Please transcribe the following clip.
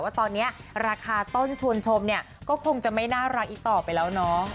ว่าตอนนี้ราคาต้นชวนชมเนี่ยก็คงจะไม่น่ารักอีกต่อไปแล้วเนาะ